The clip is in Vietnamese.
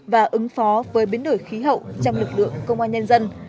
và ứng phó với biến đổi khí hậu trong lực lượng công an nhân dân